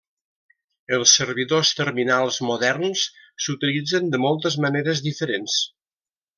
Els servidors terminals moderns s'utilitzen de moltes maneres diferents.